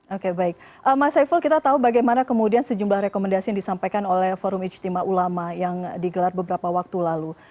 oke baik mas saiful kita tahu bagaimana kemudian sejumlah rekomendasi yang disampaikan oleh forum ijtima ulama yang digelar beberapa waktu lalu